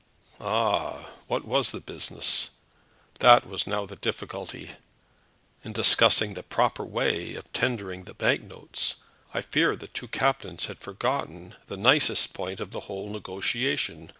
Ah; what was the business? That was now the difficulty? In discussing the proper way of tendering the bank notes, I fear the two captains had forgotten the nicest point of the whole negotiation.